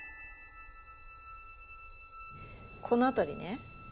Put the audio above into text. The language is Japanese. この辺りね。